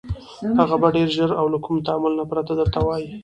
هغه به ډېر ژر او له كوم تأمل نه پرته درته ووايي: